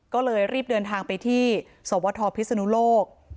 ก็เลยรีบเดินทางไปที่สวทพิศนุโลก